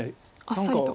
あっさりと。